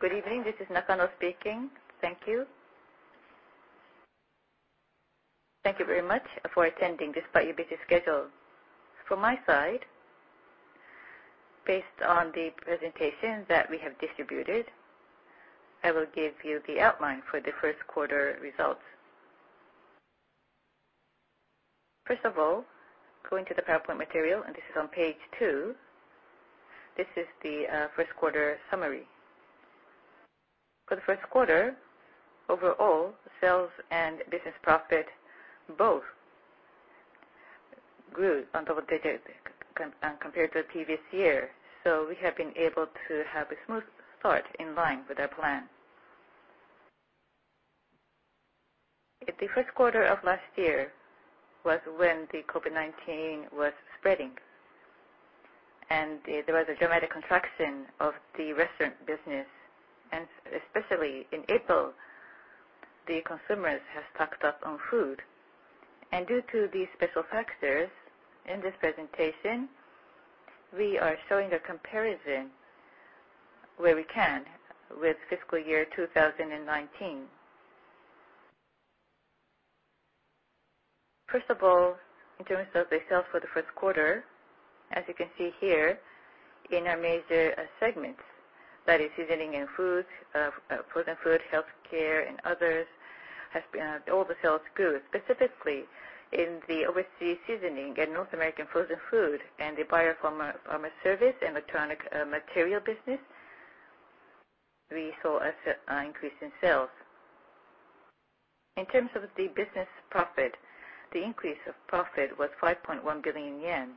Good evening. This is Nakano speaking. Thank you. Thank you very much for attending despite your busy schedule. From my side, based on the presentation that we have distributed, I will give you the outline for the first quarter results. First of all, going to the PowerPoint material, this is on page two, this is the first quarter summary. For the first quarter, overall, sales and business profit both grew on double digits compared to the previous year. We have been able to have a smooth start in line with our plan. The first quarter of last year was when the COVID-19 was spreading, there was a dramatic contraction of the restaurant business, especially in April, the consumers have stocked up on food. Due to these special factors, in this presentation, we are showing a comparison where we can with fiscal year 2019. First of all, in terms of the sales for the first quarter, as you can see here, in our major segments, that is seasoning and food, frozen food, healthcare, and others, all the sales grew. Specifically in the overseas seasoning and North American frozen food and the Bio-Pharma Services and electronic materials business, we saw an increase in sales. In terms of the business profit, the increase of profit was 5.1 billion yen.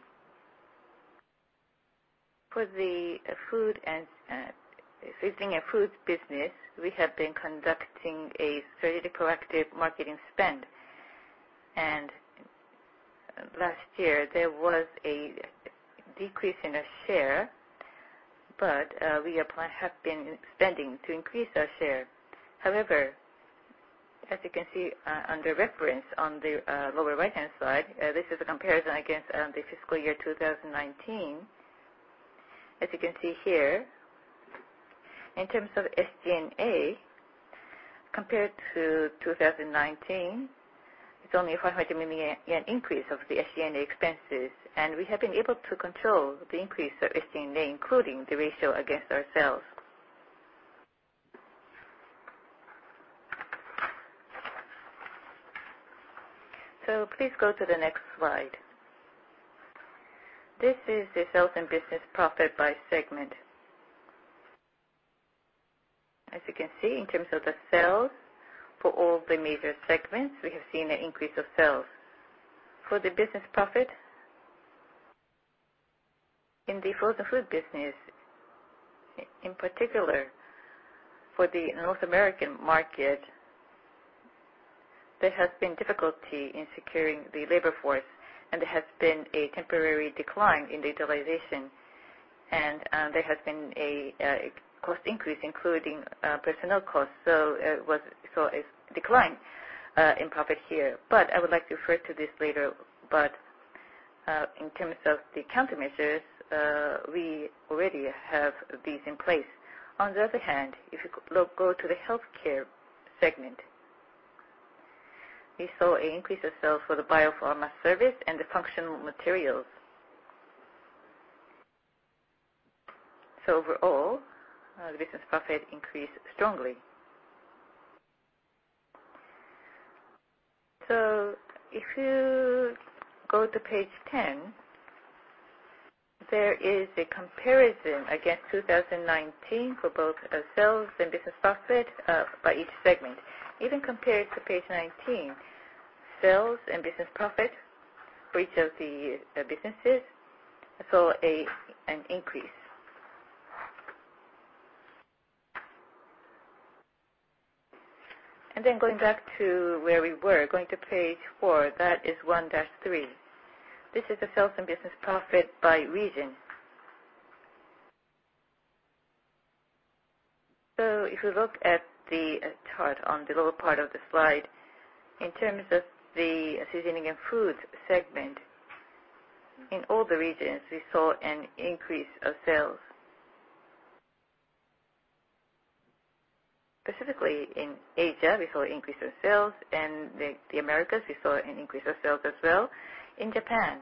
For the seasoning and foods business, we have been conducting a very proactive marketing spend. Last year, there was a decrease in our share, but we have been spending to increase our share. However, as you can see under reference on the lower right-hand side, this is a comparison against the fiscal year 2019. As you can see here, in terms of SG&A, compared to 2019, it's only a 500 million increase of the SG&A expenses, and we have been able to control the increase of SG&A, including the ratio against our sales. Please go to the next slide. This is the sales and business profit by segment. As you can see, in terms of the sales for all the major segments, we have seen an increase of sales. For the business profit, in the frozen food business, in particular for the North American market, there has been difficulty in securing the labor force and there has been a temporary decline in utilization. There has been a cost increase, including personnel costs. It was a decline in profit here. I would like to refer to this later, but in terms of the countermeasures, we already have these in place. On the other hand, if you go to the healthcare segment, we saw an increase of sales for the Bio-Pharma Services and the functional materials. Overall, the business profit increased strongly. If you go to page 10, there is a comparison against 2019 for both sales and business profit by each segment. Even compared to page 19, sales and business profit for each of the businesses saw an increase. Going back to where we were, going to page four, that is one dash three. This is the sales and business profit by region. If you look at the chart on the lower part of the slide, in terms of the seasoning and foods segment, in all the regions, we saw an increase of sales. Specifically in Asia, we saw an increase of sales. In the Americas, we saw an increase of sales as well. In Japan,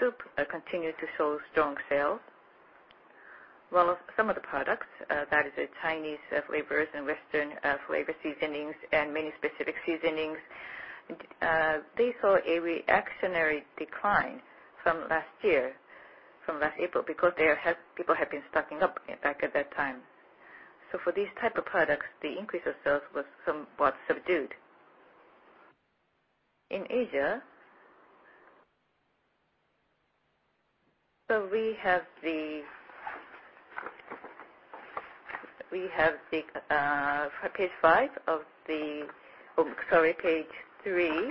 soup continued to show strong sales. Some of the products, that is the Chinese flavors and Western flavor seasonings and menu-specific seasonings, they saw a reactionary decline from last year, from last April, because people had been stocking up back at that time. For these type of products, the increase of sales was somewhat subdued. In Asia, we have page three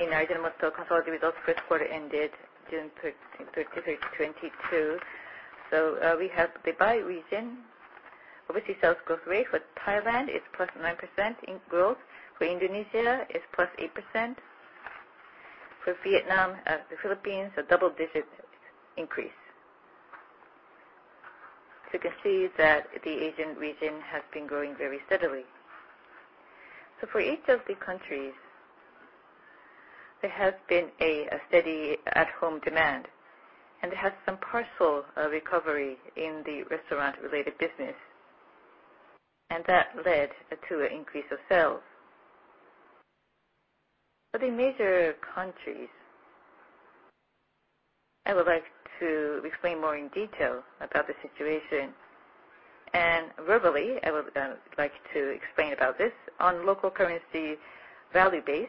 in Ajinomoto consolidated results first quarter ended June 30, 2022. We have by region, obviously, sales growth rate for Thailand is plus nine percent in growth. For Indonesia, it's plus eight percent. For Vietnam, the Philippines, a double-digit increase. You can see that the Asian region has been growing very steadily. For each of the countries, there has been a steady at-home demand, and it has some partial recovery in the restaurant-related business, and that led to an increase of sales. For the major countries, I would like to explain more in detail about the situation, verbally, I would like to explain about this on local currency value base.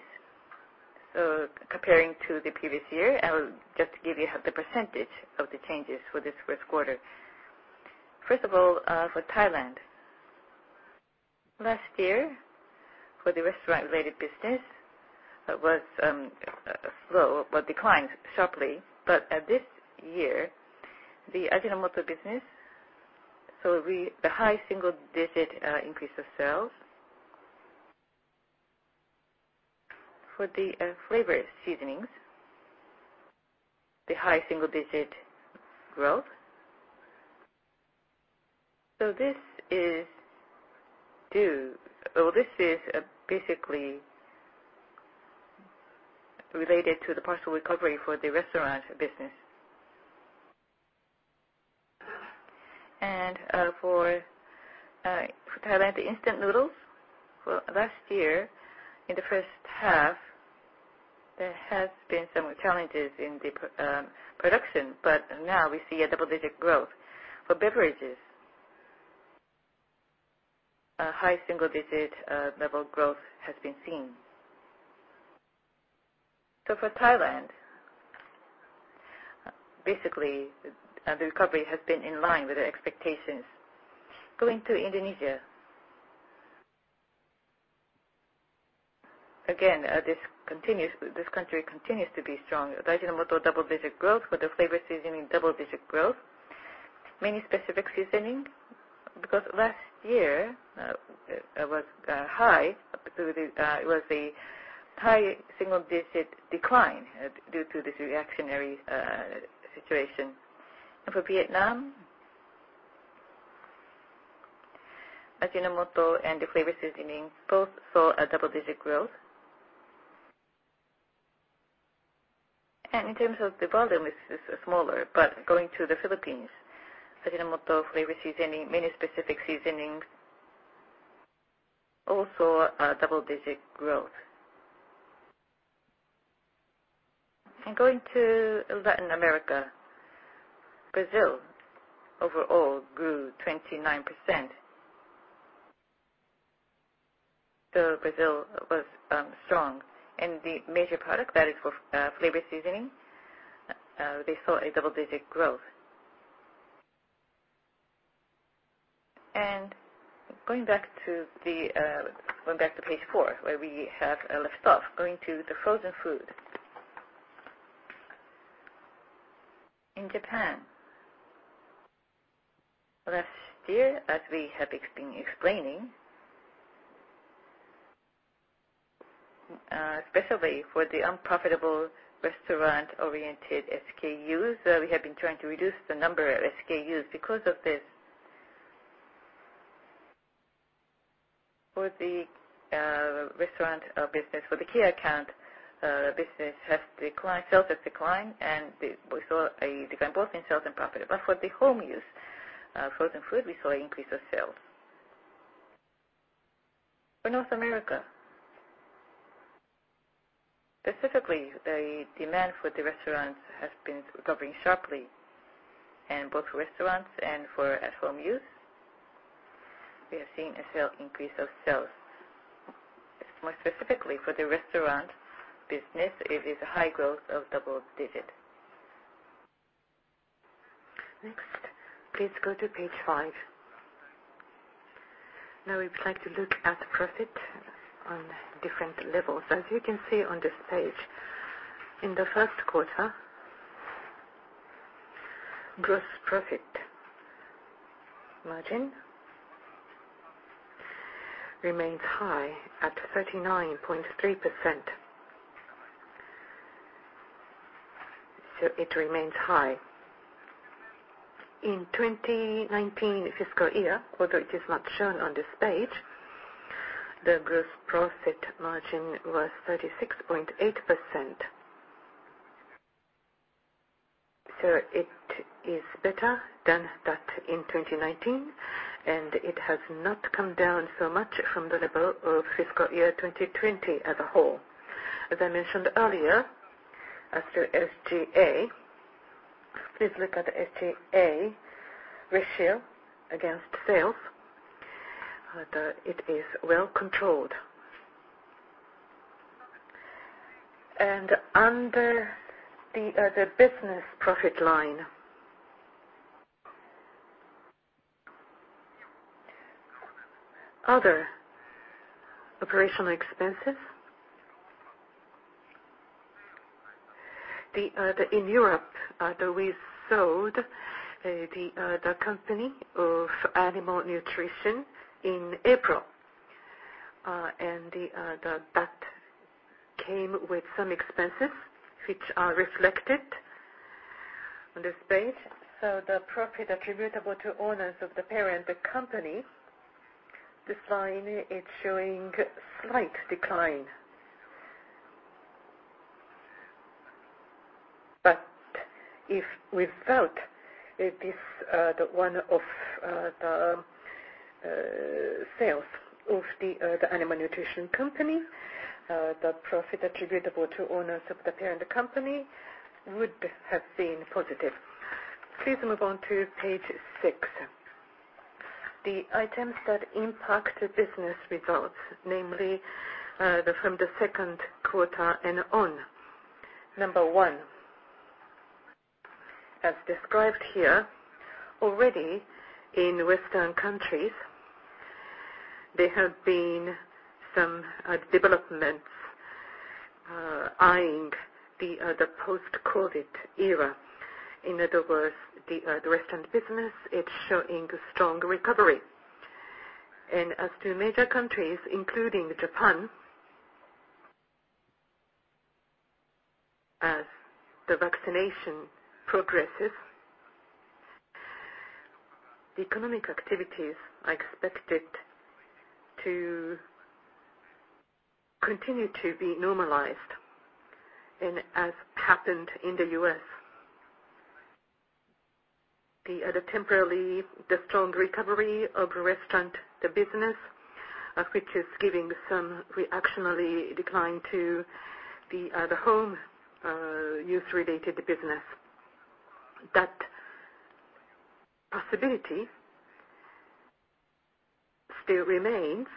Comparing to the previous year, I will just give you the percentage of the changes for this first quarter. First of all, for Thailand. Last year, for the restaurant-related business, it declined sharply. This year, the Ajinomoto business saw the high single-digit increase of sales. For the flavor seasonings, the high single-digit growth. This is basically related to the partial recovery for the restaurant business. For Thailand, the instant noodles, last year in the first half, there has been some challenges in the production, but now we see a double-digit growth. For beverages, a high single-digit level growth has been seen. For Thailand, basically, the recovery has been in line with the expectations. Going to Indonesia. Again, this country continues to be strong. Ajinomoto, double-digit growth. For the flavor seasoning, double-digit growth. menu-specific seasoning, because last year it was a high single-digit decline due to this reactionary situation. For Vietnam, Ajinomoto and the flavor seasoning both saw a double-digit growth. In terms of the volume, this is smaller, but going to the Philippines, Ajinomoto flavor seasoning, menu-specific seasonings, also a double-digit growth. Going to Latin America, Brazil overall grew 29%. Brazil was strong. The major product, that is for flavor seasoning, they saw a double-digit growth. Going back to page four, where we have left off. Going to the frozen food. In Japan, last year, as we have been explaining, especially for the unprofitable restaurant-oriented SKUs, we have been trying to reduce the number of SKUs because of this. For the restaurant business, for the key account business, sales have declined. We saw a decline both in sales and profit. For the home use frozen food, we saw increase of sales. For North America, specifically, the demand for the restaurants has been recovering sharply. Both restaurants and for at-home use, we have seen an increase of sales. More specifically, for the restaurant business, it is a high growth of double-digit. Next, please go to page five. We would like to look at profit on different levels. As you can see on this page, in the first quarter, gross profit margin remains high at 39.3%. It remains high. In 2019 fiscal year, although it is not shown on this page, the gross profit margin was 36.8%. It is better than that in 2019, and it has not come down so much from the level of fiscal year 2020 as a whole. As I mentioned earlier, as to SG&A, please look at the SG&A ratio against sales, although it is well controlled. Under the other business profit line, other operational expenses. In Europe, although we sold the company of animal nutrition in April. That came with some expenses, which are reflected on this page. The profit attributable to owners of the parent, the company, this line is showing slight decline. If without this one-off sale of the animal nutrition company, the profit attributable to owners of the parent company would have been positive. Please move on to page six. The items that impact the business results, namely from the second quarter and on. Number one, as described here, already in Western countries, there have been some developments eyeing the post-COVID era. In other words, the restaurant business, it is showing strong recovery. As to major countries, including Japan, as the vaccination progresses, economic activities are expected to continue to be normalized, as happened in the U.S. The temporarily strong recovery of restaurant business, which is giving some reactionary decline to the home use-related business. That possibility still remains,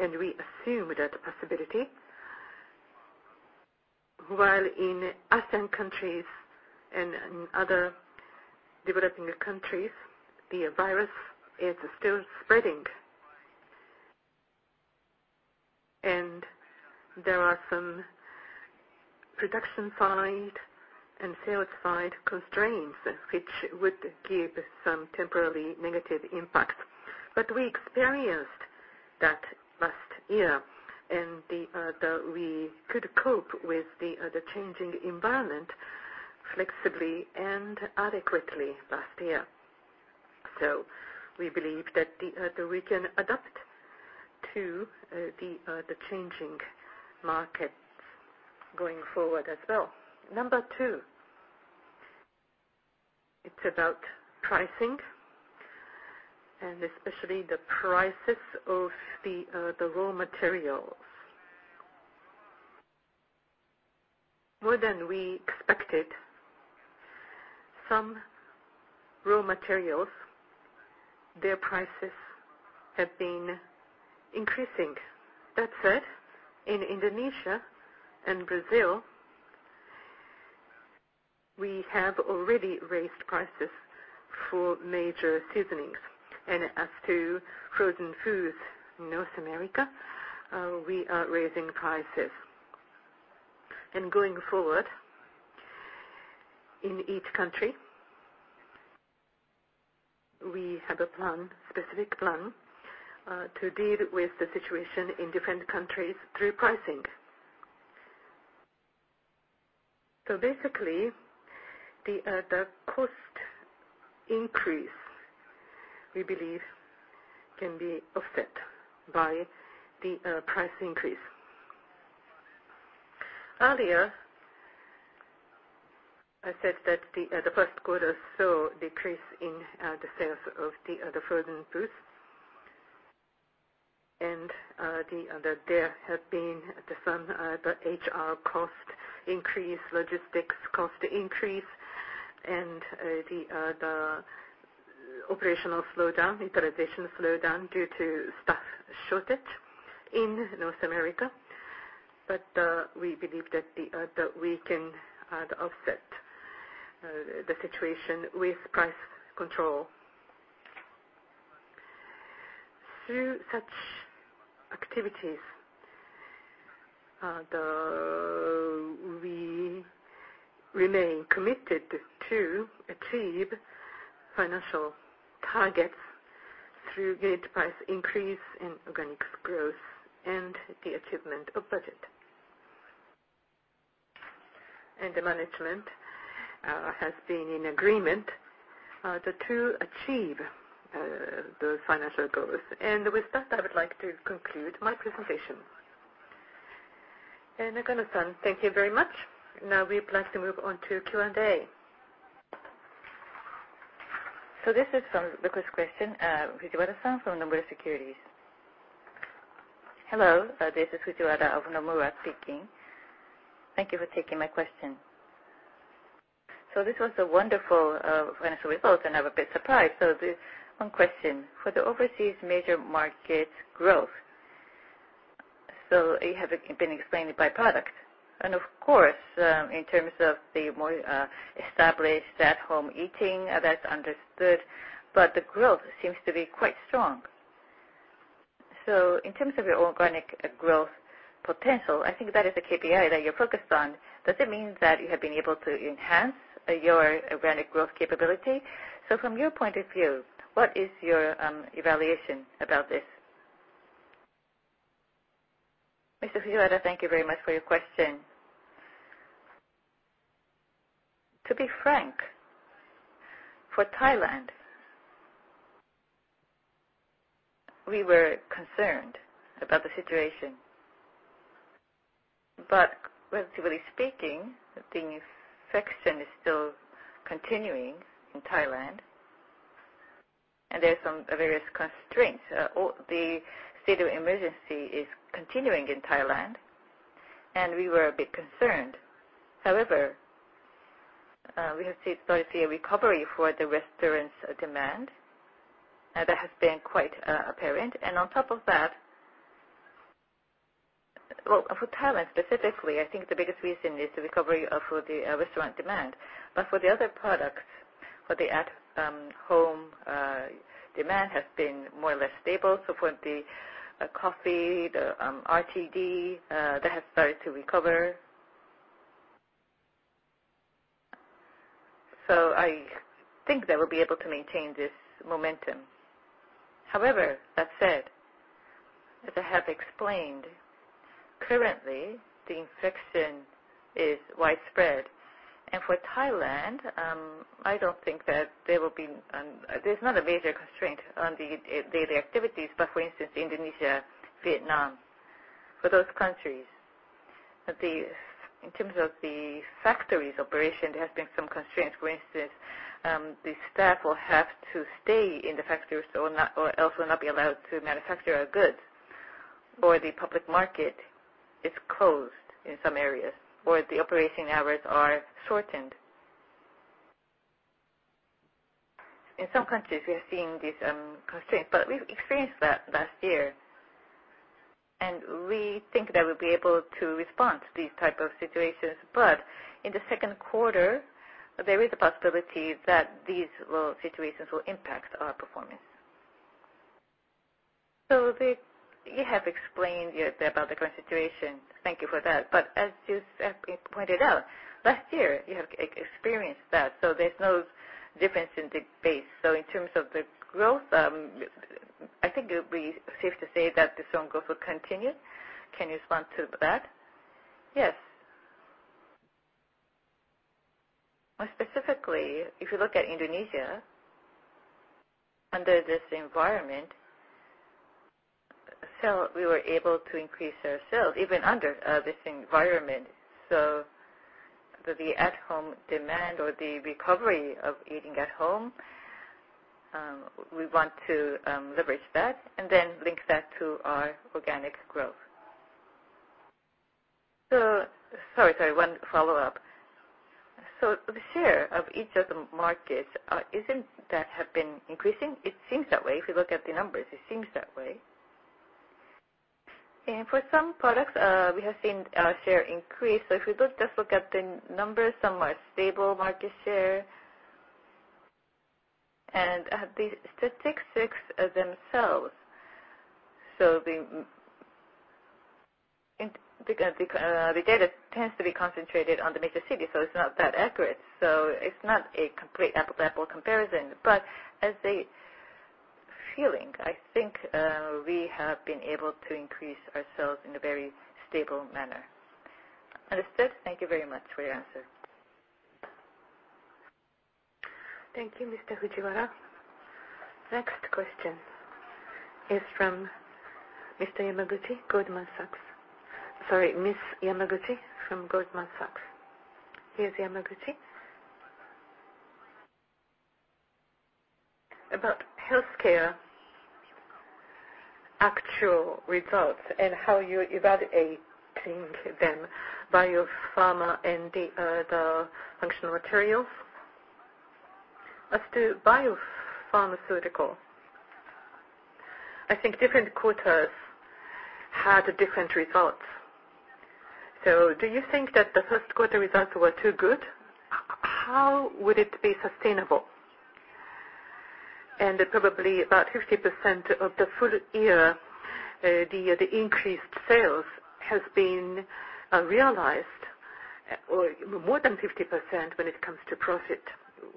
and we assume that possibility. While in Asian countries and other developing countries, the virus is still spreading, and there are some production side and sales side constraints which would give some temporarily negative impact. We experienced that last year, and we could cope with the changing environment flexibly and adequately last year. We believe that we can adapt to the changing markets going forward as well. Number two. It's about pricing and especially the prices of the raw materials. More than we expected, some raw materials, their prices have been increasing. That said, in Indonesia and Brazil, we have already raised prices for major seasonings. As to frozen foods in North America, we are raising prices. Going forward, in each country, we have a specific plan to deal with the situation in different countries through pricing. Basically, the cost increase, we believe, can be offset by the price increase. Earlier, I said that the first quarter saw a decrease in the sales of the frozen foods and there have been some HR cost increase, logistics cost increase, and the operational slowdown, utilization slowdown due to staff shortage in North America. We believe that we can offset the situation with price control. Through such activities, we remain committed to achieve financial targets through gate price increase and organic growth and the achievement of budget. The management has been in agreement to achieve those financial goals. With that, I would like to conclude my presentation. Nakano-san, thank you very much. Now we plan to move on to Q&A. This is from the first question, Fujiwara-san from Nomura Securities. Hello, this is Fujiwara of Nomura speaking. Thank you for taking my question. This was a wonderful financial result and I was a bit surprised. One question. For the overseas major market growth. You have been explaining it by product. Of course, in terms of the more established at-home eating, that's understood, but the growth seems to be quite strong. In terms of your organic growth potential, I think that is a KPI that you're focused on. Does it mean that you have been able to enhance your organic growth capability? From your point of view, what is your evaluation about this? Mr. Fujiwara, thank you very much for your question. To be frank, for Thailand, we were concerned about the situation. Relatively speaking, the infection is still continuing in Thailand, and there's some various constraints. The state of emergency is continuing in Thailand, and we were a bit concerned. However, we have started to see a recovery for the restaurants demand. That has been quite apparent. On top of that, for Thailand specifically, I think the biggest reason is the recovery for the restaurant demand. For the other products, for the at-home demand has been more or less stable. For the coffee, the RTD, that has started to recover. I think they will be able to maintain this momentum. However, that said, as I have explained, currently the infection is widespread. For Thailand, there's not a major constraint on the daily activities. For instance, Indonesia, Vietnam, for those countries, in terms of the factories operation, there has been some constraints. For instance, the staff will have to stay in the factories or else will not be allowed to manufacture our goods. The public market is closed in some areas, or the operating hours are shortened. In some countries, we are seeing these constraints. We've experienced that last year, and we think that we'll be able to respond to these type of situations. In the second quarter, there is a possibility that these situations will impact our performance. You have explained about the current situation. Thank you for that. As you pointed out, last year, you have experienced that, so there's no difference in the base. In terms of the growth, I think it would be safe to say that the strong growth will continue. Can you respond to that? Yes. More specifically, if you look at Indonesia, under this environment, we were able to increase our sales even under this environment. The at-home demand or the recovery of eating at home, we want to leverage that and then link that to our organic growth. Sorry, one follow-up. The share of each of the markets, isn't that have been increasing? It seems that way. If you look at the numbers, it seems that way. For some products, we have seen our share increase. If we just look at the numbers, some are stable market share. The statistics themselves, so the data tends to be concentrated on the major city, so it's not that accurate. It's not a complete apple comparison. As a feeling, I think we have been able to increase our sales in a very stable manner. Understood. Thank you very much for your answer. Thank you, Mr. Fujiwara. Next question is from Mr. Yamaguchi, Goldman Sachs. Sorry, Ms. Yamaguchi from Goldman Sachs. Here's Yamaguchi. About healthcare actual results and how you're evaluating them, biopharma and the functional materials. As to biopharmaceutical, I think different quarters had different results. Do you think that the first quarter results were too good? How would it be sustainable? Probably about 50% of the full year, the increased sales has been realized, or more than 50% when it comes to profit.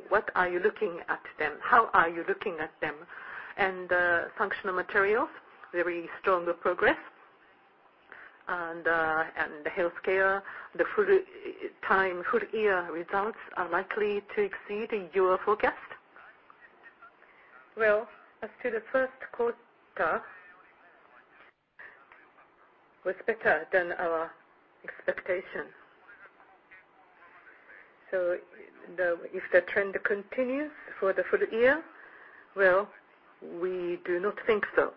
What are you looking at them? How are you looking at them? The functional materials, very strong progress. The healthcare, the full time, full year results are likely to exceed your forecast. Well, as to the first quarter, was better than our expectation. If the trend continues for the full year, well, we do not think so.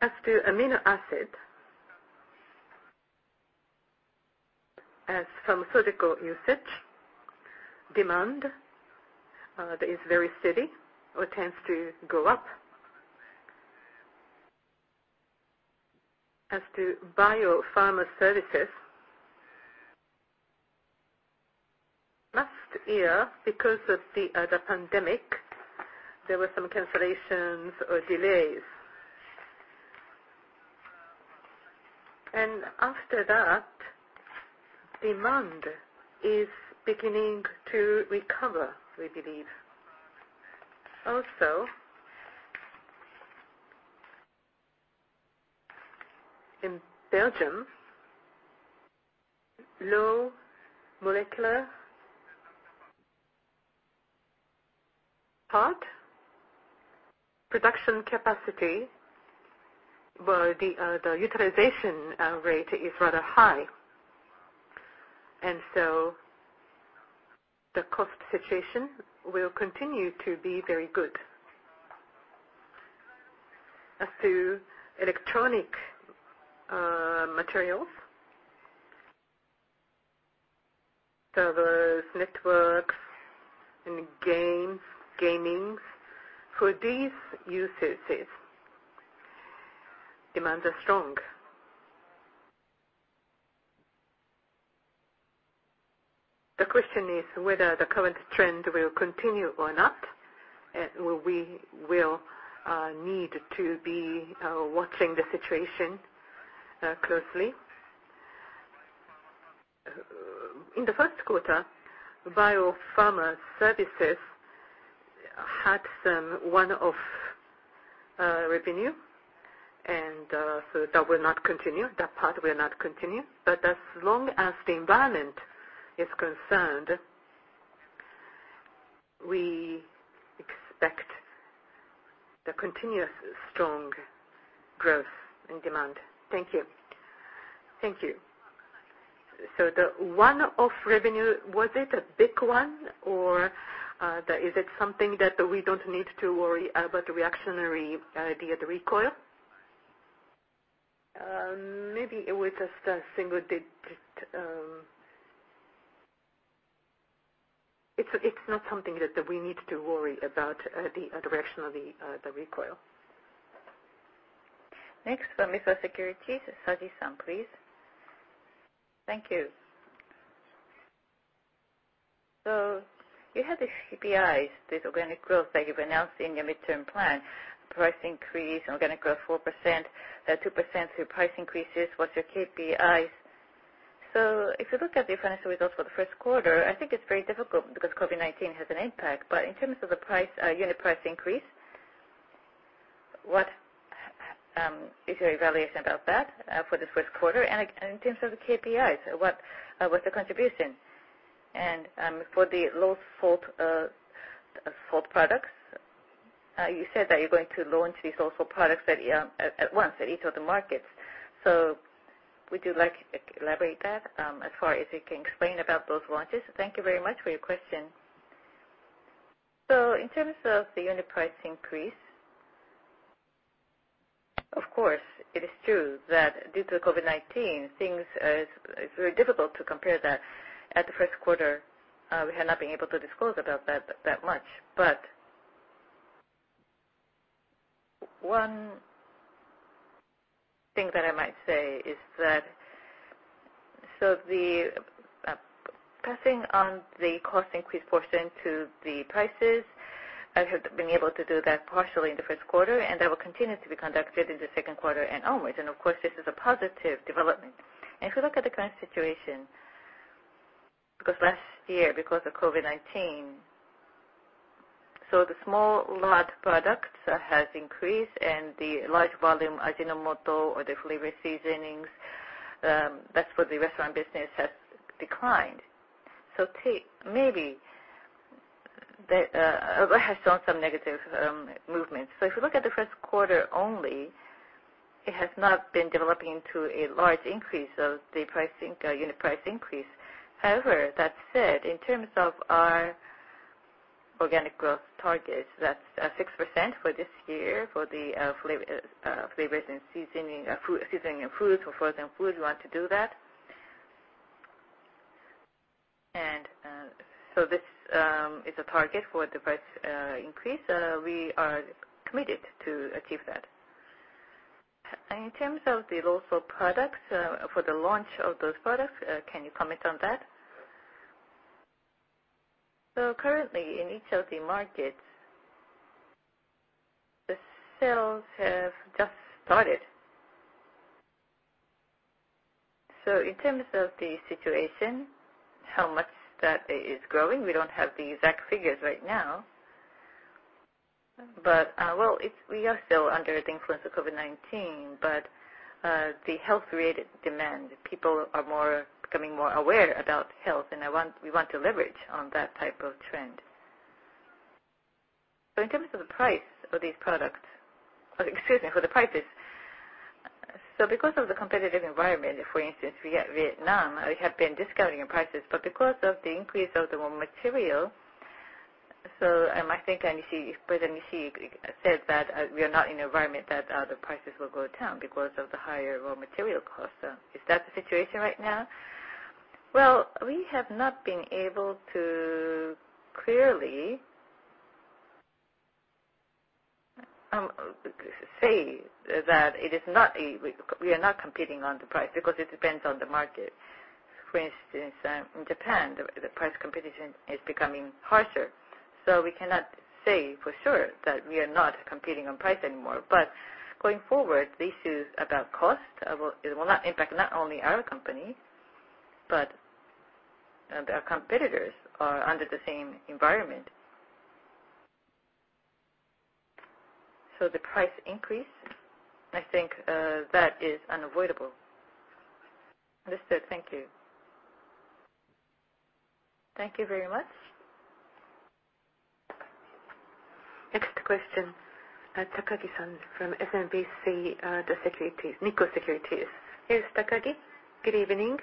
As to amino acid, as pharmaceutical usage demand is very steady or tends to go up. As to Bio-Pharma Services last year, because of the pandemic, there were some cancellations or delays. After that, demand is beginning to recover, we believe. Also, in Belgium, low molecular weight production capacity, where the utilization rate is rather high, the cost situation will continue to be very good. As to electronic materials, servers, networks, and gaming, for these uses, demands are strong. The question is whether the current trend will continue or not. We will need to be watching the situation closely. In the first quarter, Bio-Pharma Services had some one-off revenue. That will not continue. That part will not continue. As long as the environment is concerned, we expect the continuous strong growth in demand. Thank you. Thank you. The one-off revenue, was it a big one or is it something that we don't need to worry about the reactionary, the recoil? Maybe it was just a single digit. It's not something that we need to worry about the direction of the recoil. Next from Mizuho Securities, Saji-san, please. Thank you. You have the KPIs, this organic growth that you've announced in your midterm plan, price increase, organic growth four percent, two percent through price increases. What's your KPIs? If you look at the financial results for the first quarter, I think it's very difficult because COVID-19 has an impact. In terms of the unit price increase, what is your evaluation about that for this first quarter? In terms of the KPIs, what's the contribution? For the low-salt products, you said that you're going to launch these low-salt products at once at each of the markets. Would you like to elaborate that, as far as you can explain about those launches? Thank you very much for your question.In terms of the unit price increase, of course, it is true that due to COVID-19, it's very difficult to compare that. At the first quarter, we had not been able to disclose about that that much. One thing that I might say is that, the passing on the cost increase portion to the prices, I have been able to do that partially in the first quarter, that will continue to be conducted in the second quarter and onwards. Of course, this is a positive development. If you look at the current situation, because last year, because of COVID-19, the small lot products has increased and the large volume Ajinomoto or the flavor seasonings, that's for the restaurant business, has declined. Maybe that has shown some negative movements. If you look at the first quarter only, it has not been developing into a large increase of the unit price increase. That said, in terms of our organic growth targets, that's six percent for this year for the seasoning and frozen foods. We want to do that. This is a target for the price increase. We are committed to achieve that. In terms of the low-salt products, for the launch of those products, can you comment on that? Currently in each of the markets, the sales have just started. In terms of the situation, how much that is growing, we don't have the exact figures right now. We are still under the influence of COVID-19, but the health-related demand, people are becoming more aware about health, and we want to leverage on that type of trend. In terms of the price of these products, excuse me, for the prices. Because of the competitive environment, for instance, Vietnam, we have been discounting prices. Because of the increase of the raw material, I think President Ishii said that we are not in an environment that the prices will go down because of the higher raw material cost. Is that the situation right now? Well, I cannot say that we are not competing on the price, because it depends on the market. For instance, in Japan, the price competition is becoming harsher. We cannot say for sure that we are not competing on price anymore. Going forward, this is about cost. It will impact not only our company, but our competitors are under the same environment. The price increase, I think that is unavoidable. Understood. Thank you. Thank you very much. Next question, Takagi-san from SMBC Nikko Securities. Yes, Takagi. Good evening.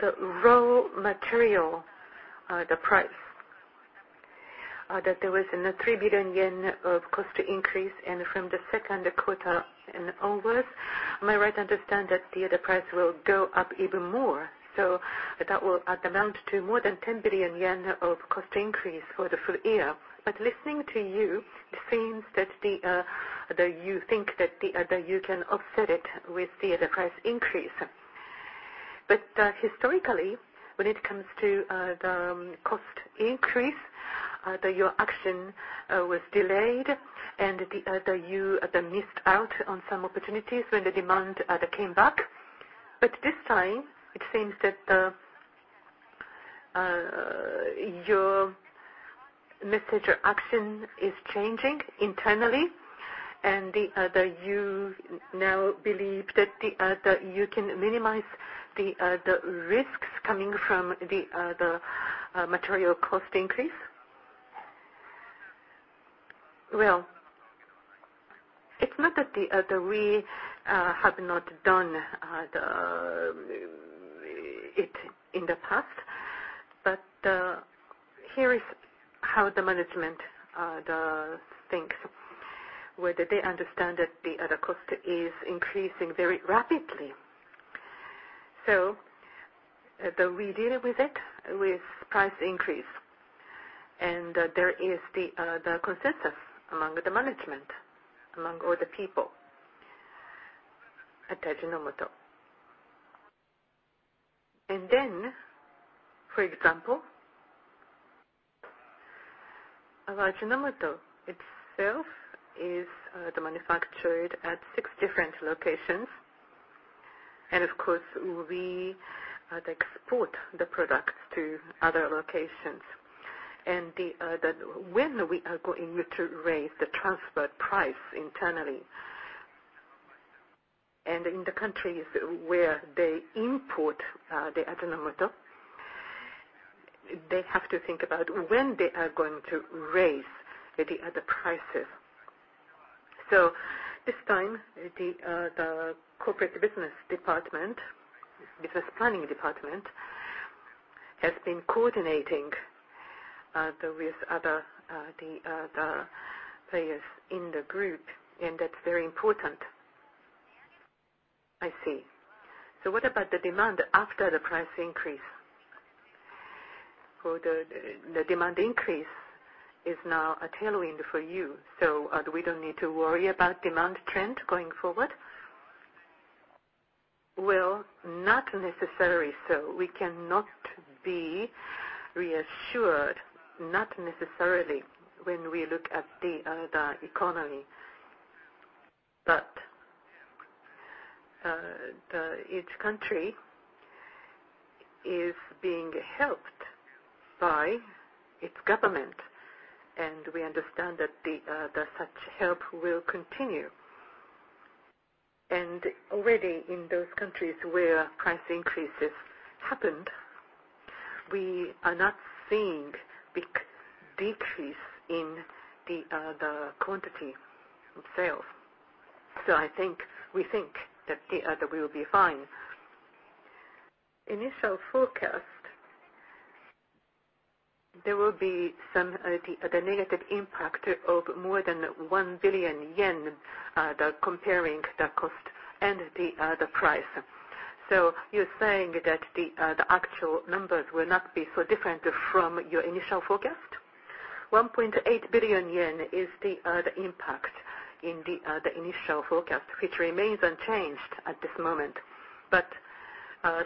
The raw material, the price, that there was a 3 billion yen of cost increase. From the second quarter and onwards, am I right to understand that the price will go up even more? That will amount to more than 10 billion yen of cost increase for the full year. Listening to you, it seems that you think that you can offset it with the price increase. Historically, when it comes to the cost increase, your action was delayed, and you missed out on some opportunities when the demand came back. This time, it seems that your action is changing internally, and that you now believe that you can minimize the risks coming from the material cost increase? It's not that we have not done it in the past. Here is how the management thinks. They understand that the cost is increasing very rapidly. We deal with it with price increase. There is the consensus among the management, among all the people at Ajinomoto. Then, for example, Ajinomoto itself is manufactured at six different locations. Of course, we export the products to other locations. When we are going to raise the transfer price internally, and in the countries where they import the Ajinomoto they have to think about when they are going to raise the prices. This time, the corporate business department, business planning department, has been coordinating with other players in the group, and that's very important. I see. What about the demand after the price increase? The demand increase is now a tailwind for you, so we don't need to worry about demand trend going forward? Well, not necessarily so. We cannot be reassured, not necessarily, when we look at the economy. Each country is being helped by its government, and we understand that such help will continue. Already in those countries where price increases happened, we are not seeing big decrease in the quantity of sales. We think that we will be fine. Initial forecast, there will be some of the negative impact of more than 1 billion yen, comparing the cost and the price. You're saying that the actual numbers will not be so different from your initial forecast? 1.8 billion yen is the impact in the initial forecast, which remains unchanged at this moment.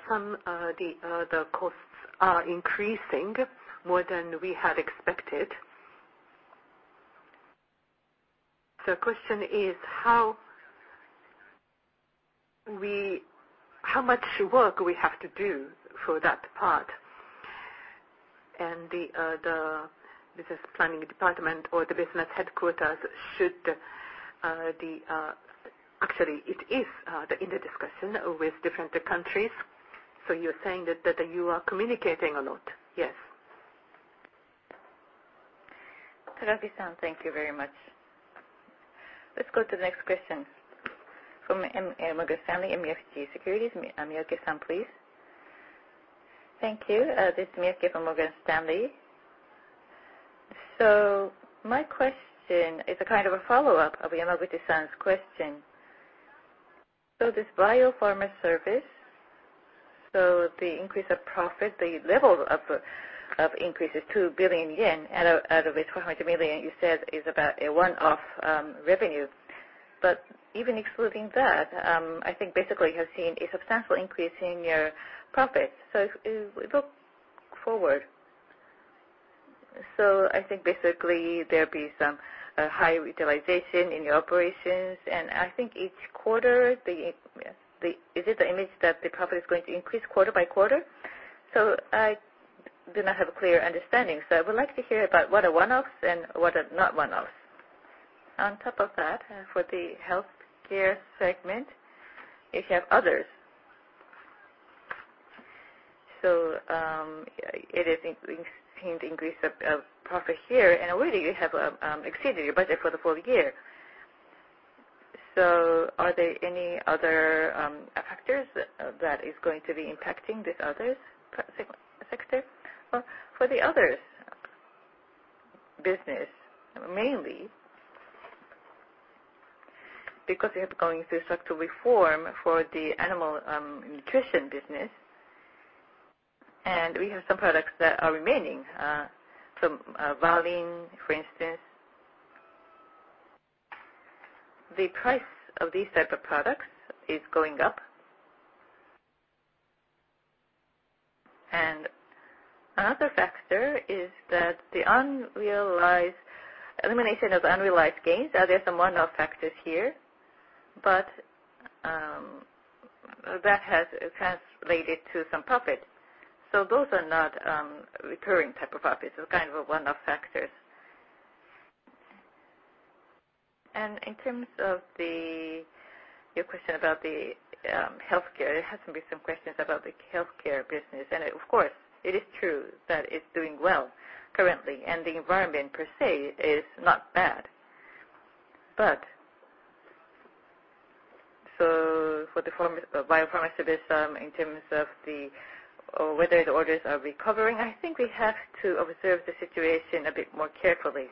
Some of the costs are increasing more than we had expected. Question is, how much work we have to do for that part? The business planning department or the business headquarters actually, it is in the discussion with different countries. You're saying that you are communicating a lot? Yes. Takagi-san, thank you very much. Let's go to the next question from Morgan Stanley, Miyake-san, please. Thank you. This is Miyake from Morgan Stanley. My question is a follow-up of Yamaguchi-san's question. This Bio-Pharma Services, the increase of profit, the level of increase is 2 billion yen, out of which 400 million you said is about a one-off revenue. Even excluding that, I think basically you have seen a substantial increase in your profit. If we look forward, I think basically there'll be some high utilization in your operations, and I think each quarter, is it the image that the profit is going to increase quarter by quarter? I do not have a clear understanding. I would like to hear about what are one-offs and what are not one-offs. On top of that, for the healthcare segment, you have others. It has seen the increase of profit, and already you have exceeded your budget for the full year. Are there any other factors that are going to be impacting this other sector? For the other business, mainly, because we are going through structural reform for the animal nutrition business, and we have some products that are remaining. Valine, for instance. The price of these types of products is going up. Another factor is the elimination of unrealized gains. There are some one-off factors here. That has translated to some profit. Those are not recurring types of profits. Those are one-off factors. In terms of your question about the healthcare, there has to be some questions about the healthcare business. Of course, it is true that it's doing well currently, and the environment per se is not bad. For the biopharmaceuticals, in terms of whether the orders are recovering, I think we have to observe the situation a bit more carefully.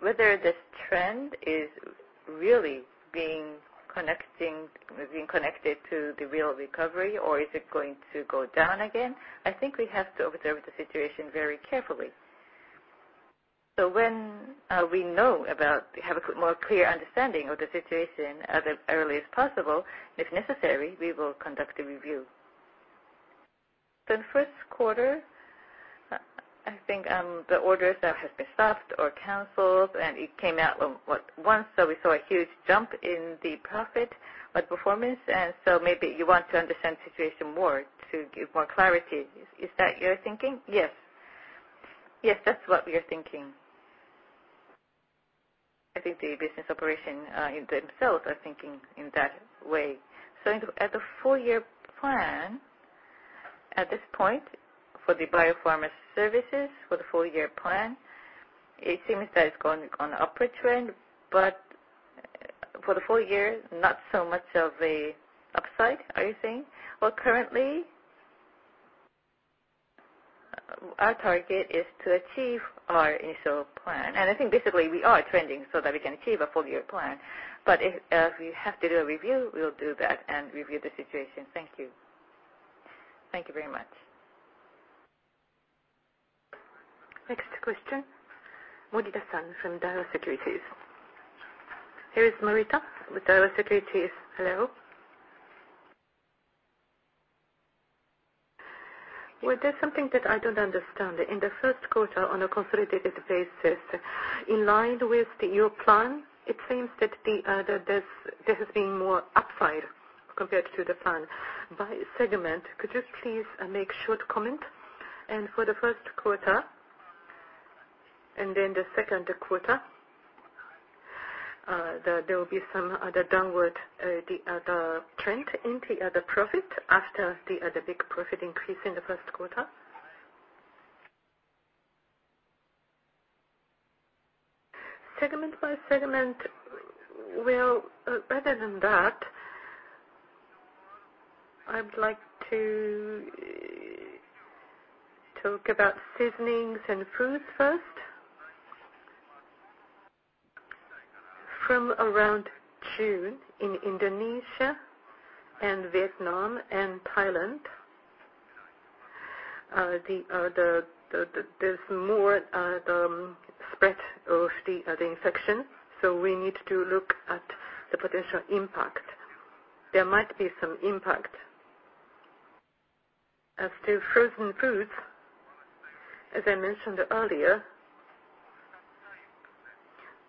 Whether this trend is really being connected to the real recovery, or is it going to go down again? I think we have to observe the situation very carefully. When we have a more clear understanding of the situation as early as possible, if necessary, we will conduct a review. The first quarter, I think the orders that have been stopped or canceled, and it came out at once, so we saw a huge jump in the profit, but performance. Maybe you want to understand the situation more to give more clarity? Is that your thinking? Yes. That's what we are thinking. I think the business operations themselves are thinking in that way. At the full-year plan, at this point for the Bio-Pharma Services for the full-year plan, it seems that it's going on an upward trend, but for the full year, not so much of a upside, are you saying? Well, currently, our target is to achieve our initial plan. I think basically we are trending so that we can achieve a full-year plan. If we have to do a review, we'll do that and review the situation. Thank you. Thank you very much. Next question, Morita-san from Daiwa Securities. Here is Morita with Daiwa Securities. Hello. Well, there's something that I don't understand. In the first quarter on a consolidated basis, in line with your plan, it seems that there has been more upside compared to the plan by segment. Could you please make short comment? For the first quarter, and then the second quarter, there will be some other downward trend in the profit after the other big profit increase in the first quarter? Segment by segment, well, rather than that, I would like to talk about seasonings and foods first. From around June in Indonesia and Vietnam and Thailand, there's more spread of the infection, we need to look at the potential impact. There might be some impact. As to frozen foods, as I mentioned earlier,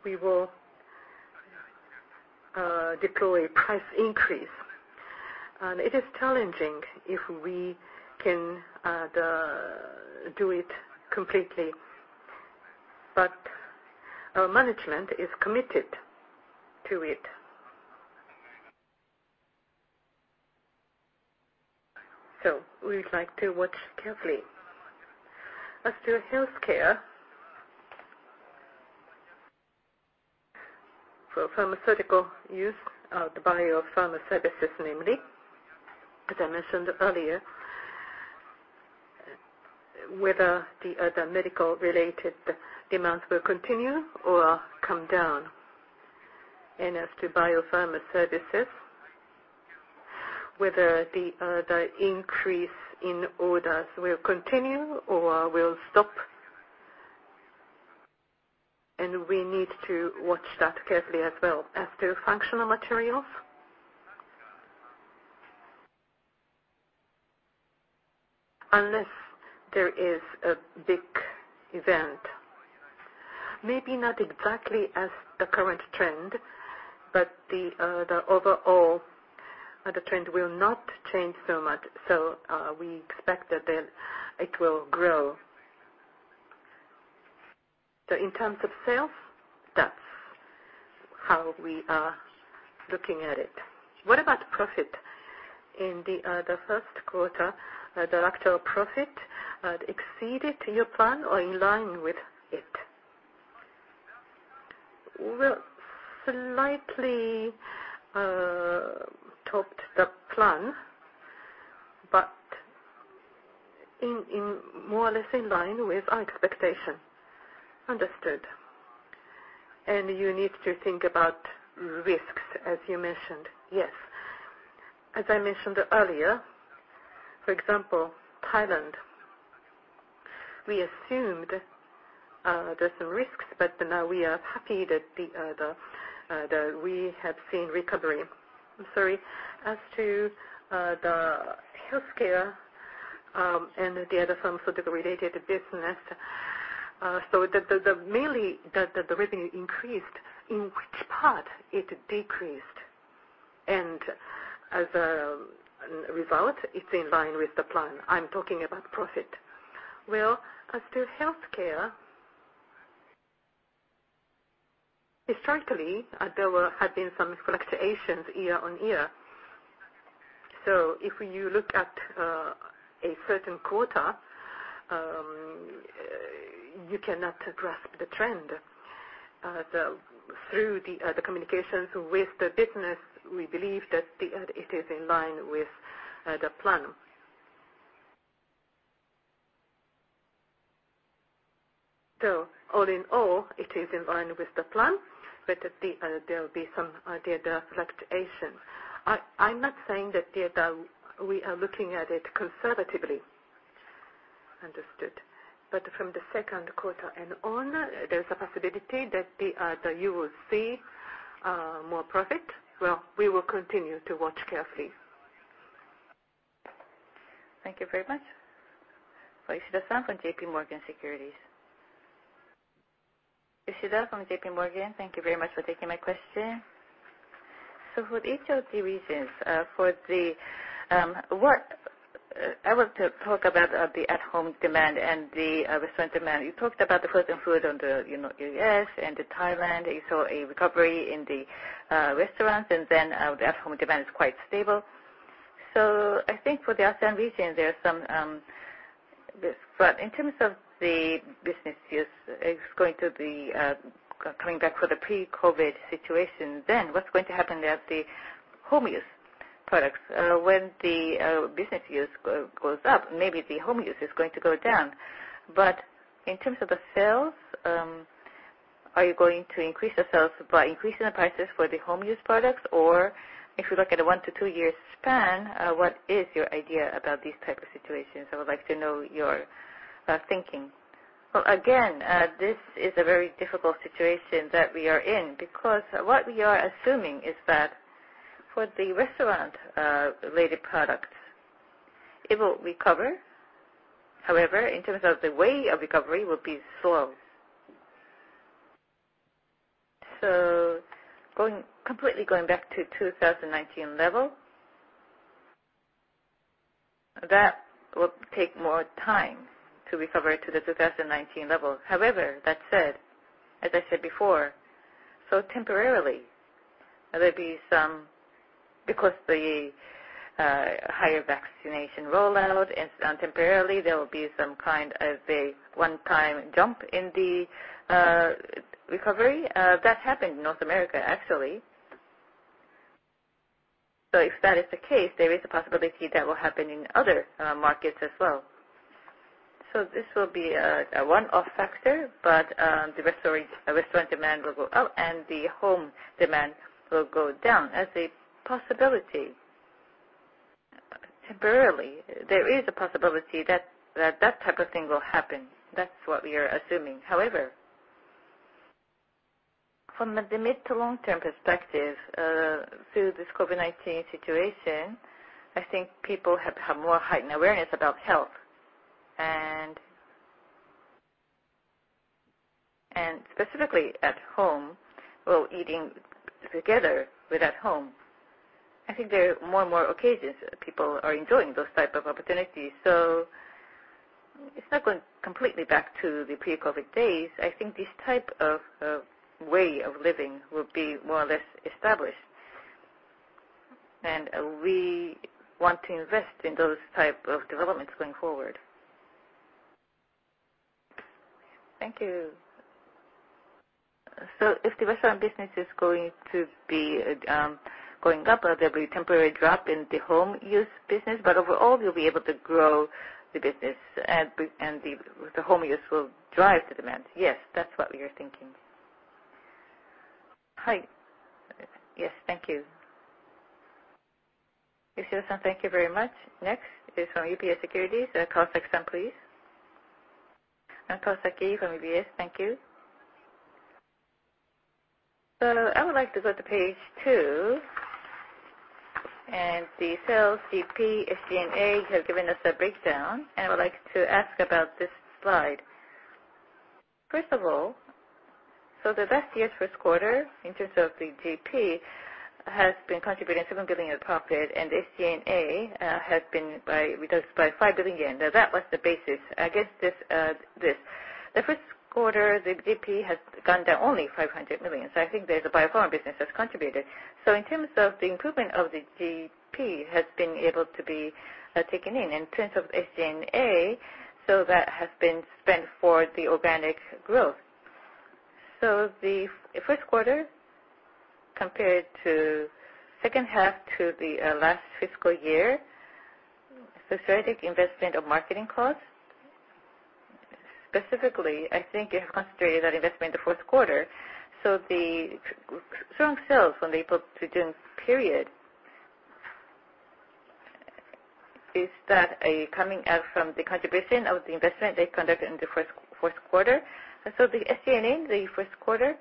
we will deploy price increase. It is challenging if we can do it completely, our management is committed to it. We would like to watch carefully. As to healthcare, for pharmaceutical use of the biopharmaceuticals, namely, as I mentioned earlier. Whether the other medical-related demands will continue or come down. As to Bio-Pharma Services, whether the increase in orders will continue or will stop. We need to watch that carefully as well. As to functional materials, unless there is a big event, maybe not exactly as the current trend, but the overall trend will not change so much. We expect that it will grow. In terms of sales, that's how we are looking at it. What about profit? In the first quarter, the actual profit exceeded your plan or in line with it? Well, slightly topped the plan, but more or less in line with our expectation. Understood. You need to think about risks, as you mentioned. Yes. As I mentioned earlier, for example, Thailand, we assumed there's some risks, but now we are happy that we have seen recovery. I'm sorry. As to the healthcare and the other pharmaceutical-related business, mainly the revenue increased, in which part it decreased? As a result, it's in line with the plan. I'm talking about profit. Well, as to healthcare, historically, there had been some fluctuations year on year. If you look at a certain quarter, you cannot grasp the trend. Through the communications with the business, we believe that it is in line with the plan. All in all, it is in line with the plan, but there'll be some idea of fluctuation. I'm not saying that we are looking at it conservatively. Understood. From the second quarter and on, there is a possibility that you will see more profit. Well, we will continue to watch carefully. Thank you very much. Yoshida-san from JPMorgan Securities. Yoshida from JPMorgan. Thank you very much for taking my question. For each of the regions, I want to talk about the at-home demand and the restaurant demand. You talked about the frozen food on the U.S. and Thailand. You saw a recovery in the restaurants, and then the at-home demand is quite stable. I think for the ASEAN region, there's some risk. In terms of the business use, it's going to be coming back for the pre-COVID-19 situation, then what's going to happen at the home use products? When the business use goes up, maybe the home use is going to go down. In terms of the sales, are you going to increase the sales by increasing the prices for the home use products? If you look at a one to two-year span, what is your idea about these type of situations? I would like to know your thinking. Well, again, this is a very difficult situation that we are in because what we are assuming is that for the restaurant-related products, it will recover. In terms of the way of recovery, will be slow. Completely going back to 2019 level, that will take more time to recover to the 2019 level. That said, as I said before, temporarily, there'll be some because the higher vaccination rollout and temporarily there will be some kind of a one-time jump in the recovery. That happened in North America, actually. If that is the case, there is a possibility that will happen in other markets as well. This will be a one-off factor, the restaurant demand will go up and the home demand will go down as a possibility. Temporarily, there is a possibility that that type of thing will happen. That's what we are assuming. However, from the mid to long-term perspective, through this COVID-19 situation, I think people have had more heightened awareness about health and specifically at home. Well, eating together at home. I think there are more and more occasions people are enjoying those type of opportunities. It's not going completely back to the pre-COVID days. I think this type of way of living will be more or less established. We want to invest in those type of developments going forward. Thank you. If the restaurant business is going to be going up, there will be a temporary drop in the home use business, but overall, we'll be able to grow the business, and the home use will drive the demand. Yes, that's what we are thinking. Hi. Yes, thank you. Yoshida-san, thank you very much. Next is from UBS Securities, Kawasaki-san, please. I'm Kawasaki from UBS. Thank you. I would like to go to page two. The sales GP, SG&A, you have given us a breakdown, and I would like to ask about this slide. First of all, the last year's first quarter, in terms of the GP, has been contributing 7 billion of profit, and SG&A has been reduced by 5 billion yen. Now, that was the basis. Against this, the first quarter, the GP has gone down only 500 million. I think there's a biopharma business that's contributed. In terms of the improvement of the GP has been able to be taken in. In terms of SG&A, that has been spent for the organic growth. The first quarter compared to second half to the last fiscal year, strategic investment of marketing costs. Specifically, I think you have concentrated that investment in the fourth quarter. The strong sales from the April-to-June period, is that coming out from the contribution of the investment they conducted in the fourth quarter? The SG&A in the first quarter,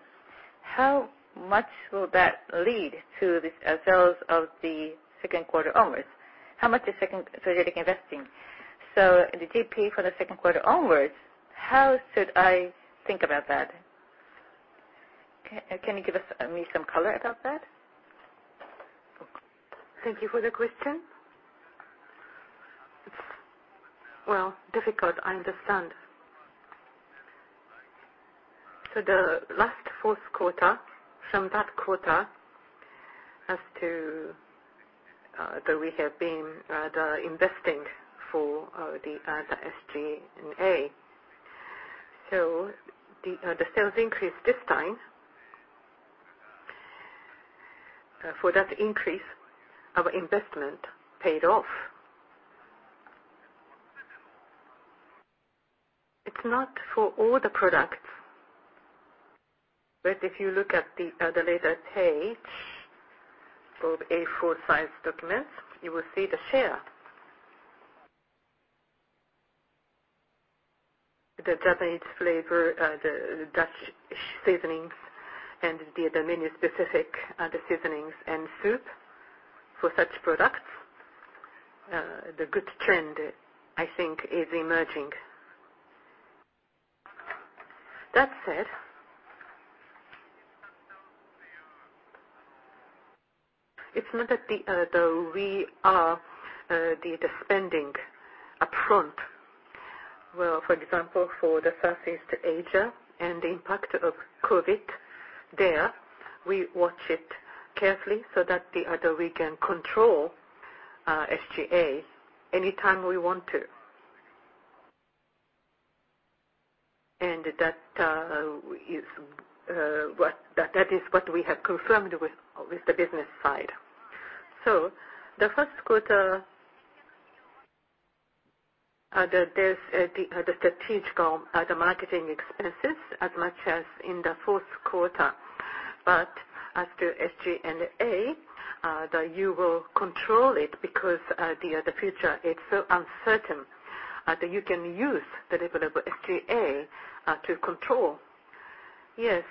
how much will that lead to the sales of the second quarter onwards? How much is strategic investing? The GP for the second quarter onwards, how should I think about that? Can you give me some color about that? Thank you for the question. It's, well, difficult, I understand. The last fourth quarter, from that quarter, as we have been investing for the SG&A. The sales increased this time. For that increase, our investment paid off. It's not for all the products, but if you look at the other later page, for A4-size documents, you will see the share. The Japanese flavor, the dashi seasonings, and the menu-specific seasonings and soup. For such products, the good trend, I think, is emerging. That said, it's not that we are the spending upfront. Well, for example, for the Southeast Asia and the impact of COVID-19 there, we watch it carefully so that we can control SG&A anytime we want to. That is what we have confirmed with the business side. The first quarter, there's the strategic marketing expenses as much as in the fourth quarter. As to SG&A, you will control it because the future is so uncertain, you can use the available SG&A to control. Yes.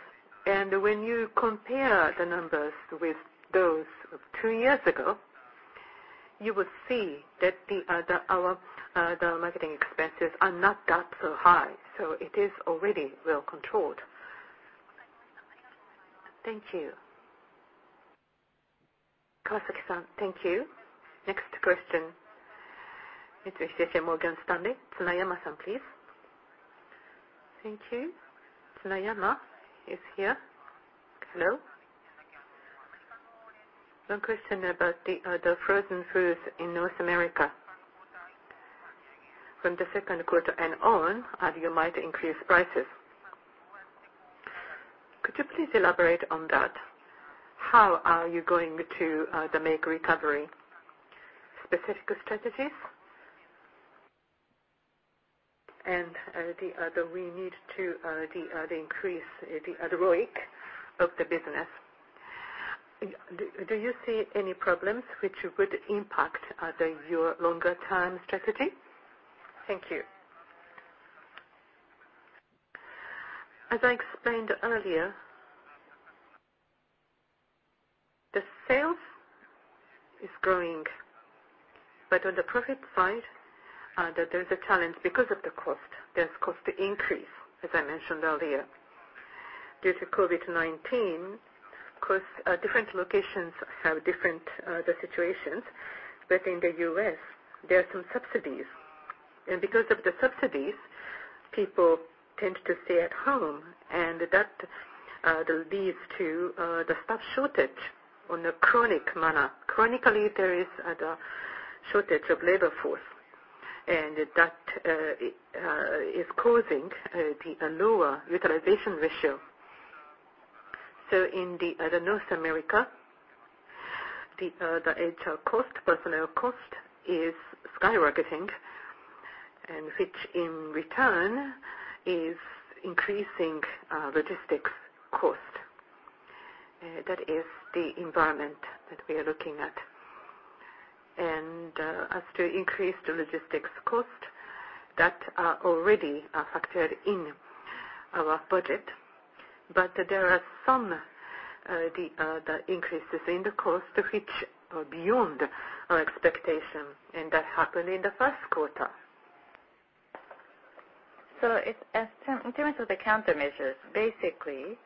When you compare the numbers with those of two years ago, you will see that our marketing expenses are not that so high. It is already well-controlled. Thank you. Kawasaki-san, thank you. Next question. It's Morgan Stanley. Tsunayama-san, please. Thank you. Tsunayama is here. Hello. One question about the frozen foods in North America. From the second quarter and on, you might increase prices. Could you please elaborate on that? How are you going to make recovery? Specific strategies? We need to increase the ROIC of the business. Do you see any problems which would impact your longer-term strategy? Thank you. As I explained earlier, the sales is growing, but on the profit side, there's a challenge because of the cost. There's cost increase, as I mentioned earlier. Due to COVID-19, different locations have different situations. In the U.S., there are some subsidies. Because of the subsidies, people tend to stay at home, and that leads to the staff shortage on a chronic manner. Chronically, there is the shortage of labor force That is causing the lower utilization ratio. In North America, the HR cost, personnel cost is skyrocketing, and which in return is increasing logistics cost. That is the environment that we are looking at. As to increased logistics cost, that are already factored in our budget. There are some increases in the cost which are beyond our expectation, and that happened in the first quarter. In terms of the countermeasures, basically,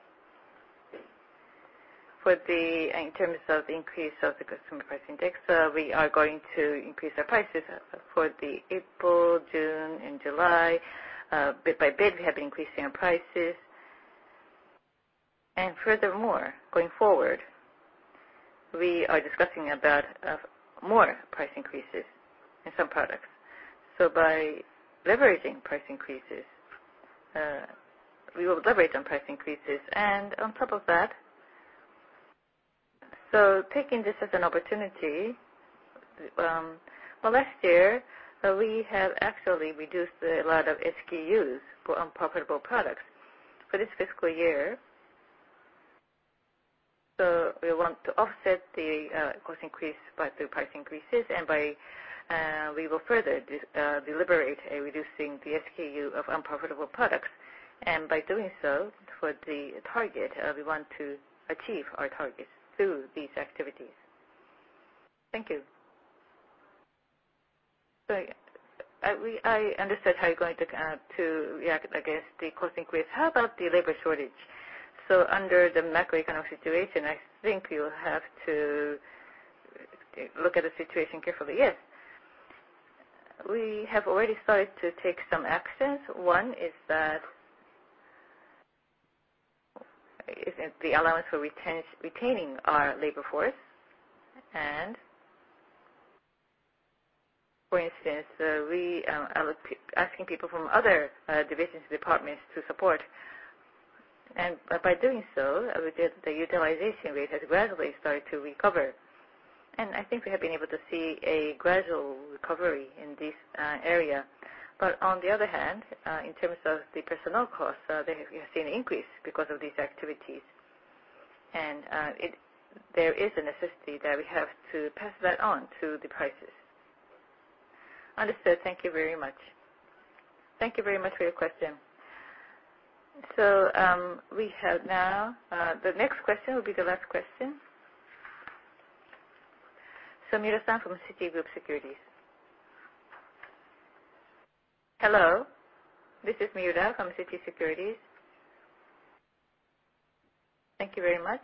in terms of the increase of the consumer price index, we are going to increase our prices for April, June, and July. Bit by bit, we have been increasing our prices. Furthermore, going forward, we are discussing about more price increases in some products. We will deliberate on price increases. On top of that, taking this as an opportunity, well, last year, we have actually reduced a lot of SKUs for unprofitable products. For this fiscal year, we want to offset the cost increase by the price increases, and we will further deliberate reducing the SKU of unprofitable products. By doing so, for the target, we want to achieve our targets through these activities. Thank you. Sorry. I understood how you're going to react against the cost increase. How about the labor shortage? Under the macroeconomic situation, I think you'll have to look at the situation carefully. Yes. We have already started to take some actions. One is the allowance for retaining our labor force. For instance, we are asking people from other divisions, departments to support. By doing so, the utilization rate has gradually started to recover. I think we have been able to see a gradual recovery in this area. On the other hand, in terms of the personnel costs, we have seen an increase because of these activities. There is a necessity that we have to pass that on to the prices. Understood. Thank you very much. Thank you very much for your question. Now, the next question will be the last question. Miura-san from Citigroup Securities. Hello. This is Miura from Citi Securities. Thank you very much.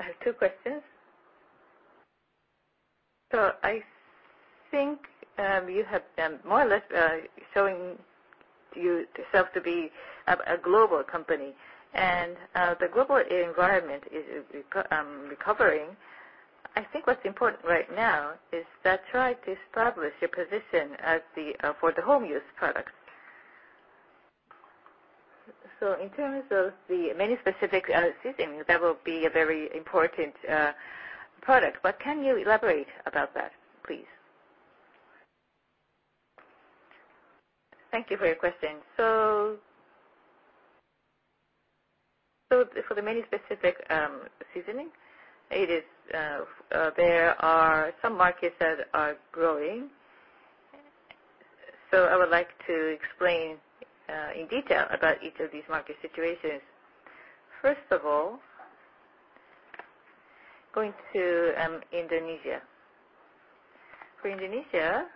I have two questions. I think you have been more or less showing yourself to be a global company, and the global environment is recovering. I think what's important right now is that try to establish your position for the home use product. In terms of the menu-specific seasoning, that will be a very important product. What can you elaborate about that, please? Thank you for your question. For the menu-specific seasoning, there are some markets that are growing. I would like to explain in detail about each of these market situations. First of all, going to Indonesia. For Indonesia,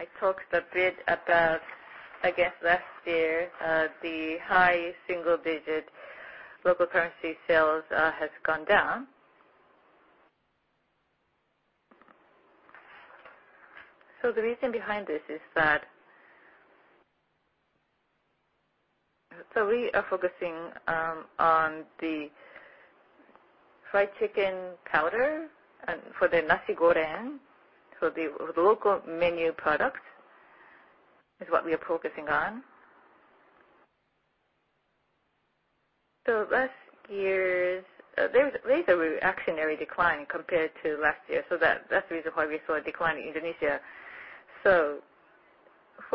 I talked a bit about, I guess last year, the high single-digit local currency sales has gone down. The reason behind this is that we are focusing on the fried chicken powder for the nasi goreng. The local menu product is what we are focusing on. There is a reactionary decline compared to last year. That's the reason why we saw a decline in Indonesia. For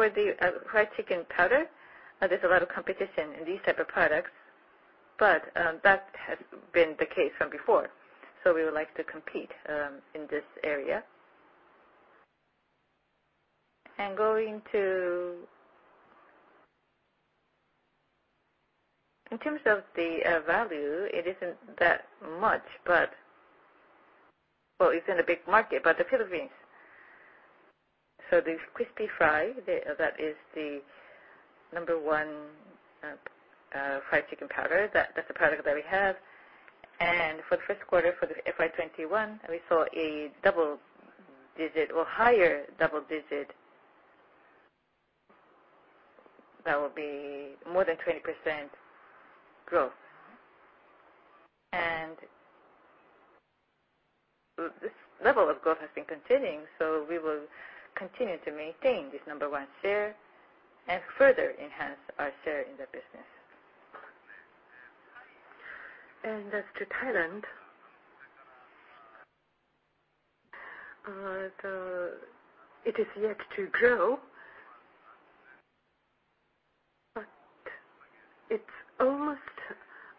the fried chicken powder, there's a lot of competition in these type of products. That has been the case from before. We would like to compete in this area. In terms of the value, it isn't that much. Well, it's in a big market, but the Philippines. The CRISPY FRY, that is the number 1 fried chicken powder. That's the product that we have. For the first quarter, for FY 2021, we saw a double digit or higher double digit. That will be more than 20% growth. This level of growth has been continuing, so we will continue to maintain this number one share and further enhance our share in the business. As to Thailand, it is yet to grow, but it's almost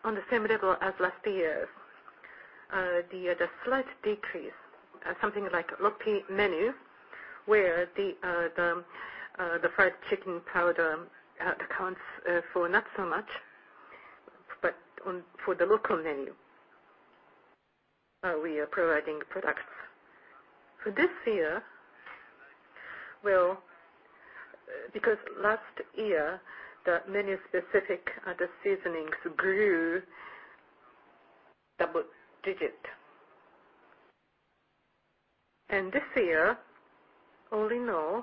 on the same level as last year. The slight decrease, something like local menu, where the fried chicken powder accounts for not so much, but for the local menu, we are providing products. For this year, because last year, the Menu-specific, the seasonings grew double digits. This year, only now,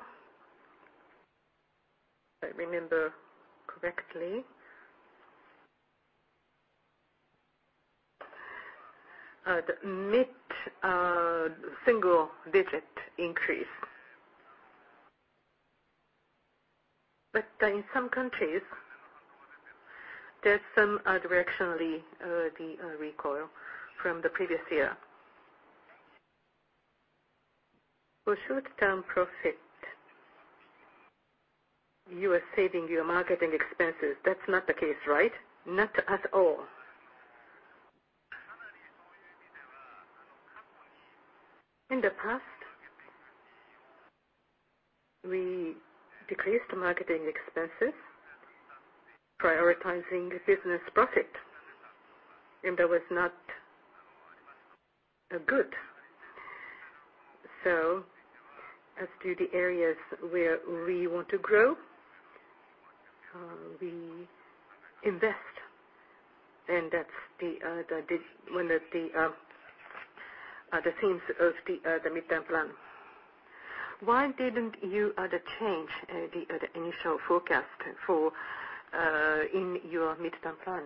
if I remember correctly, the mid-single digit increase. In some countries, there's some directionally, the recoil from the previous year. For short-term profit, you are saving your marketing expenses. That's not the case, right? Not at all. In the past, we decreased marketing expenses, prioritizing business profit, and that was not good. As to the areas where we want to grow, we invest. That's one of the themes of the midterm plan. Why didn't you change the initial forecast in your midterm plan?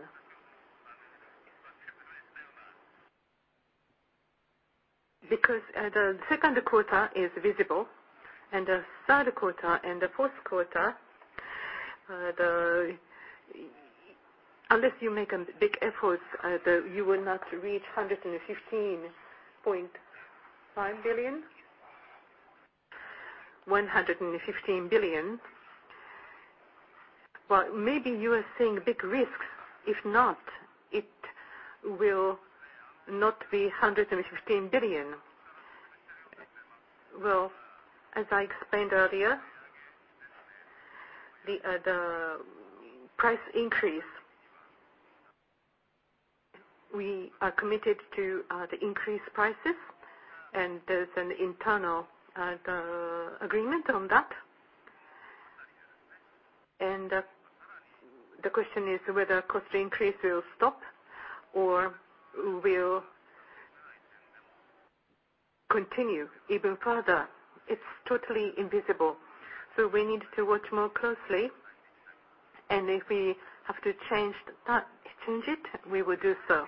The second quarter is visible, and the third quarter and the fourth quarter, unless you make big efforts, you will not reach 115 billion. Maybe you are seeing big risks. If not, it will not be 115 billion. Well, as I explained earlier, the price increase, we are committed to the increased prices, and there's an internal agreement on that. The question is whether cost increase will stop or will continue even further. It's totally invisible. We need to watch more closely, and if we have to change it, we will do so.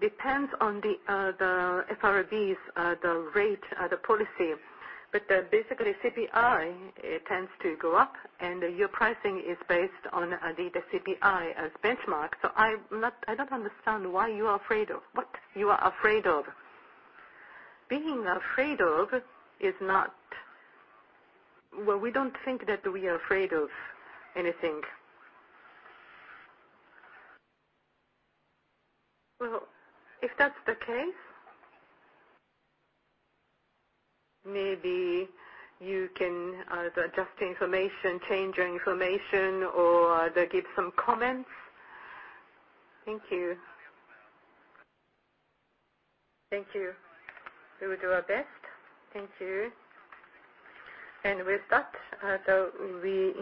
Depends on the FRB's, the rate, the policy. Basically, CPI tends to go up, and your pricing is based on the CPI as benchmark. I don't understand what you are afraid of. Well, we don't think that we are afraid of anything. Well, if that's the case, maybe you can adjust the information, change your information, or give some comments. Thank you. Thank you. We will do our best. Thank you. With that, we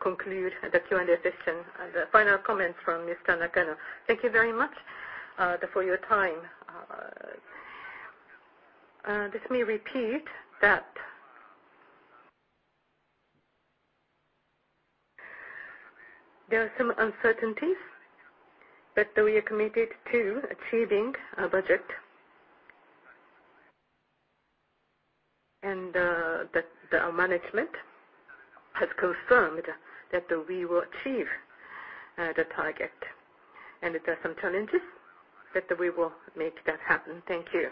conclude the Q&A session. The final comments from Mr. Nakano. Thank you very much for your time. Just may repeat that there are some uncertainties, but we are committed to achieving our budget. That our management has confirmed that we will achieve the target. There are some challenges, but we will make that happen. Thank you.